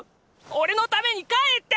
おれのために帰って！